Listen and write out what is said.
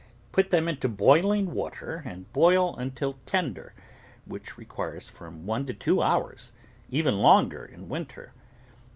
Put them into boiling water and boil until tender, which re quires from one to two hours, even longer in win ter.